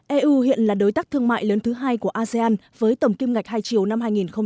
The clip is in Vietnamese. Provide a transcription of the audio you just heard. eu hiện là đối tác thương mại lớn thứ hai của asean với tổng kim ngạch hai triệu năm hai nghìn một mươi tám